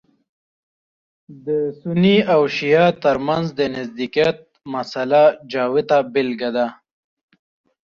د سني او شعیه تر منځ د نزدېکت مسأله جوته بېلګه ده.